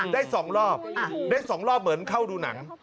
ได้สองรอบเหมือนเข้าดูหนัง